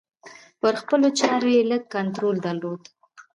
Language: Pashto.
پر خپلو چارو یې لږ کنترول درلود.